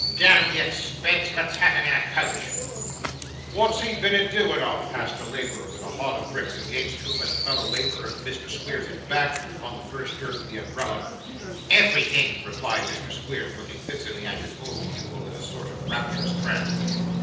'Damn the expense. Let's have him in a coach.' 'What's he been a doing of?' asked a labourer with a hod of bricks, against whom and a fellow labourer Mr. Squeers had backed, on the first jerk of the umbrella. 'Everything!' replied Mr. Squeers, looking fixedly at his old pupil in a sort of rapturous trance.